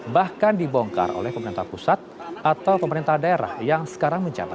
bahkan dibongkar oleh pemerintah pusat atau pemerintah daerah yang sekarang menjabat